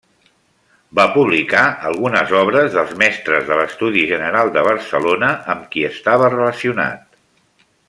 Va publicar algunes obres dels mestres de l'Estudi General de Barcelona, amb qui estava relacionat.